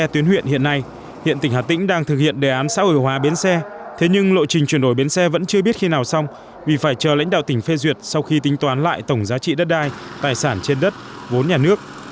từ năm hai nghìn một mươi một đến nay hiện tỉnh hà tĩnh đang thực hiện đề án xã hội hóa bến xe thế nhưng lộ trình chuyển đổi bến xe vẫn chưa biết khi nào xong vì phải chờ lãnh đạo tỉnh phê duyệt sau khi tính toán lại tổng giá trị đất đai tài sản trên đất vốn nhà nước